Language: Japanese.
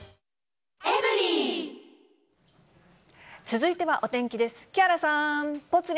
続いてはお天気です。